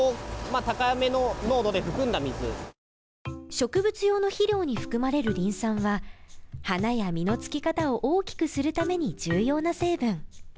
植物用の肥料に含まれるリン酸は花や実のつき方を大きくするために重要な成分。